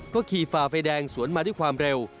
ก็ขี่ฝ่าไฟแดงสวนมาด้วยความเร็ว